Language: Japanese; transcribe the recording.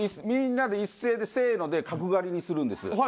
みんなで一斉に「せの」で角刈りにするんです。